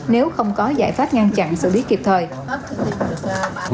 nếu không có giải pháp ngăn chặn sốt huyết kịp thời